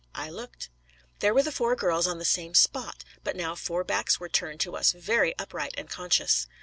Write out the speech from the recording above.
I looked. There were the four girls on the same spot; but now four backs were turned to us, very upright and conscious.